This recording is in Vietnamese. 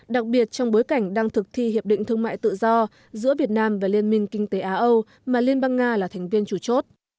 đặc biệt trong bối cảnh đang thực thi hiệp định thương mại tự do giữa việt nam và liên minh kinh tế á âu mà liên bang nga là thành viên chủ chốt